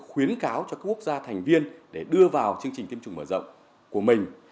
khuyến cáo cho các quốc gia thành viên để đưa vào chương trình tiêm chủng mở rộng của mình